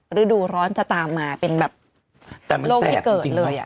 ฤดูร้อนจะตามมาเป็นแบบโลกที่เกิดเลย